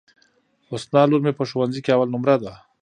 حسنی لور مي په ښوونځي کي اول نمبر ده.